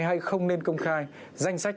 hay không nên công khai danh sách